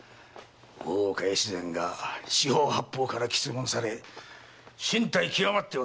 大岡越前が四方八方から詰問され進退窮まっておったわ。